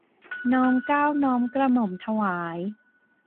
น้อมเกล้าน้อมกระหม่อมถวาย